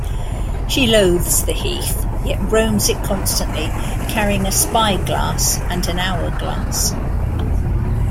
She loathes the heath, yet roams it constantly, carrying a spyglass and an hourglass.